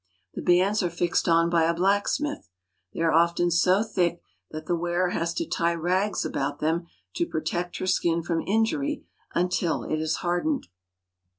The bands are fixed on by a blacksmith ; they are often so thick that the wearer has to tie rags about them to protect her skin from injury until it is hardened.